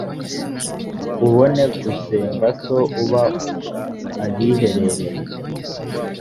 ubone gusenga so uba ahiherereye